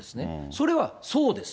それはそうです。